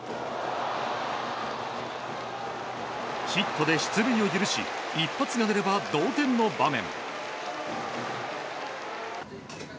ヒットで出塁を許し一発が出れば同点の場面。